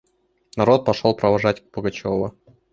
Народ пошел провожать Пугачева.